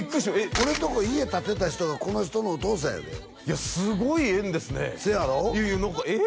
俺のとこ家建てた人がこの人のお父さんやでいやすごい縁ですねいやいやえ！